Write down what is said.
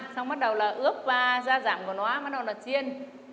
xong bắt đầu là ướp da giảm của nó bắt đầu nó chiên